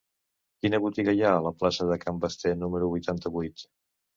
Quina botiga hi ha a la plaça de Can Basté número vuitanta-vuit?